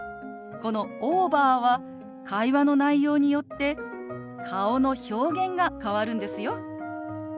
この「オーバー」は会話の内容によって顔の表現が変わるんですよ。